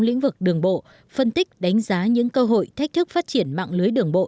lĩnh vực đường bộ phân tích đánh giá những cơ hội thách thức phát triển mạng lưới đường bộ